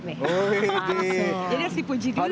jadi harus dipuji dulu